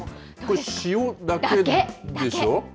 これ塩だけでしょ？